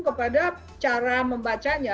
kepada cara membacanya